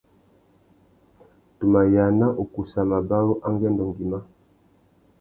Tu mà yāna ukussa mabarú angüêndô ngüimá.